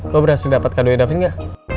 lu berhasil dapet kado ya davin ga